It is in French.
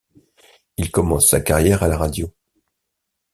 Il commence sa carrière à la radio.